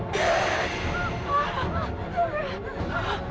kau di sini